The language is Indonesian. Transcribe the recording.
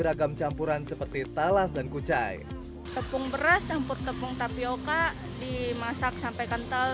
agam campuran seperti talas dan kucai tepung beras samput tepung tapioka dimasak sampai kental